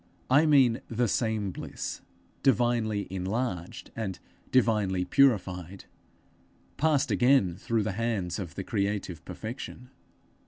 _ I mean the same bliss, divinely enlarged and divinely purified passed again through the hands of the creative Perfection.